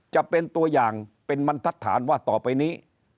จะเป็นตัวอย่างเป็นบรรทัศน์ว่าต่อไปนี้